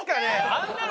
あんなの！